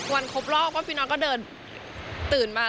ครบรอบว่าพี่น้องก็เดินตื่นมา